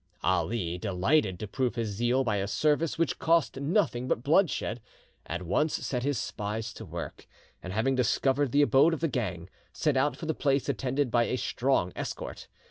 Ali, delighted to, prove his zeal by a service which cost nothing but bloodshed; at once set his spies to work, and having discovered the abode of the gang, set out for the place attended by a strong escort.